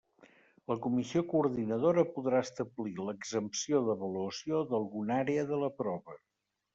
La Comissió Coordinadora podrà establir l'exempció d'avaluació d'alguna àrea de la prova.